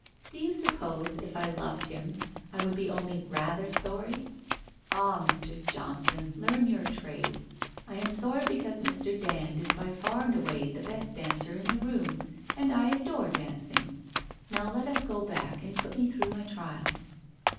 ' Do you suppose, if I loved him, I should be only rather sorry? Ah, Mr. Johnson, learn your trade. I am sorry because Mr. Dand is by far and away the best dancer in the room, and I adore dancing. Now let us go back, and put me through my trial.'